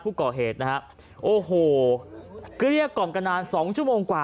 ผู้ก่อเหตุนะฮะโอ้โหเกลี้ยกล่อมกันนานสองชั่วโมงกว่า